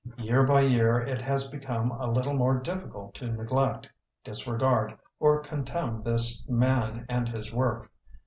Year by year it has become a little more difficult to neglect, disregard, or contemn this man and his work.